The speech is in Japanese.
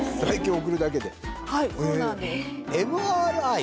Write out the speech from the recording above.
はいそうなんです。